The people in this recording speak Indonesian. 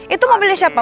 itu mobilnya siapa